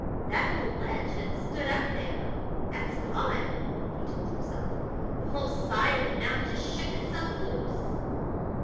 "That whole ledge that stood out up there that's gone!" he told himself. "The whole side of the mountain just shook itself loose...."